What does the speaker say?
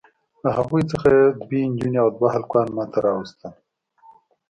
له هغوی څخه یې دوې نجوني او دوه هلکان ماته راواستول.